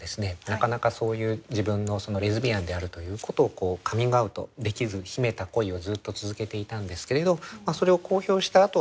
なかなかそういう自分のレズビアンであるということをカミングアウトできず秘めた恋をずっと続けていたんですけれどそれを公表したあとはですね